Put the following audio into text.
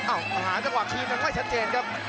อ้าวหาจังหวัดชีมมันไม่ชัดเจนครับ